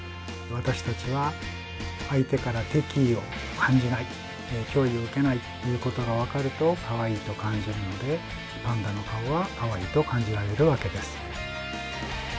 私たちは相手から敵意を感じない脅威を受けないということが分かるとかわいいと感じるのでパンダの顔はかわいいと感じられるわけです。